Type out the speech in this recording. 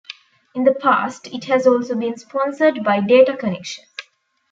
In the past, it has also been sponsored by Data Connection.